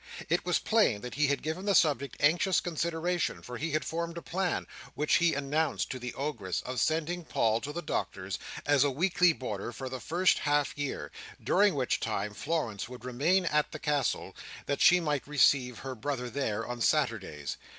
It was plain that he had given the subject anxious consideration, for he had formed a plan, which he announced to the ogress, of sending Paul to the Doctor's as a weekly boarder for the first half year, during which time Florence would remain at the Castle, that she might receive her brother there, on Saturdays.